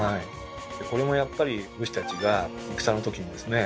これもやっぱり武士たちが戦のときにですね